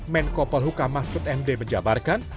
menkopol hukamah kut md menjabarkan